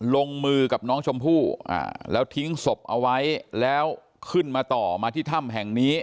ลงมือกับน้องชมพู่แล้วทิ้งศพเอาไว้แล้วขึ้นมาต่อมาที่ถ้ำแห่งนี้